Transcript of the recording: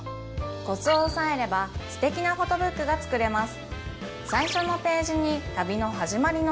コツをおさえれば素敵なフォトブックが作れます